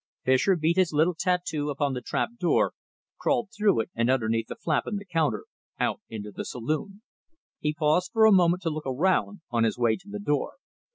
Fischer beat his little tattoo upon the trapdoor, crawled through it and underneath the flap in the counter, out into the saloon. He paused for a moment to look around, on his way to the door.